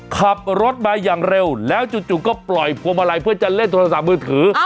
ขับรถมาอย่างเร็วแล้วจู่ก็ปล่อยพวงมาลัยเพื่อจะเล่นโทรศัพท์มือถือ